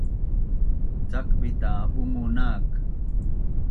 Cakbit ta bungu nak